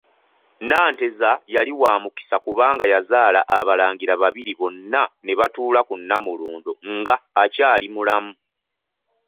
Nanteza yali wamukisa kubanga yazaala abalangira babiri bonna ne batuula ku Namulondo nga akyaali mulamu.